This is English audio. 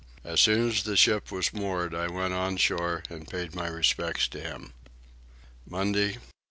As soon as the ship was moored I went on shore and paid my respects to him. Monday 7.